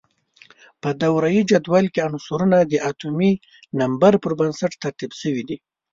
په دوره یي جدول کې عنصرونه د اتومي نمبر پر بنسټ ترتیب شوي دي.